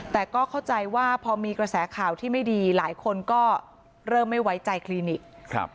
แต่ก็เข้าใจว่าพอมีกระแสข่าวที่ไม่ดีหลายคนก็เริ่มไม่ไว้ใจคลินิกครับ